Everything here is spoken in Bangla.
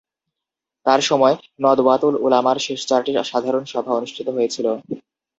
তার সময়ে নদওয়াতুল উলামার শেষ চারটি সাধারণ সভা অনুষ্ঠিত হয়েছিল।